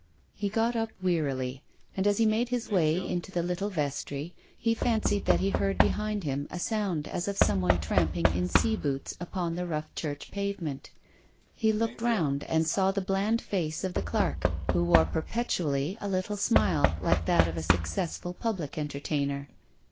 He got up wearily, and as he made his way into the little vestry, he fancied that he heard behind him a sound as of someone tramp ing in scaboots upon the rough church pavement. He looked round and saw the bland face of the clerk, who wore perpetually a little smile, like that of a successful public entertainer.